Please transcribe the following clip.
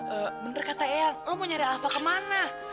eh bener kata eang lo mau nyari alva kemana